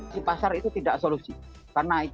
si pasar itu tidak solusi